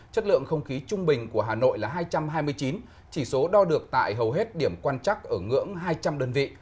chất lượng không khí trung bình của hà nội là hai trăm hai mươi chín chỉ số đo được tại hầu hết điểm quan chắc ở ngưỡng hai trăm linh đơn vị